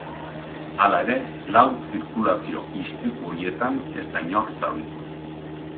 Hala ere, lau zirkulazio istripu horietan ez da inor zauritu.